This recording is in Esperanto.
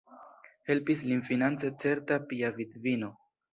Helpis lin finance certa pia vidvino.